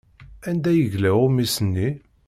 Anda yella uɣmis-nni?